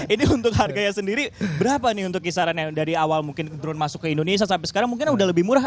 ini untuk harganya sendiri berapa nih untuk kisaran yang dari awal mungkin turun masuk ke indonesia sampai sekarang mungkin udah lebih murah